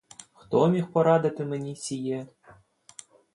Хто міг порадити мені сіє?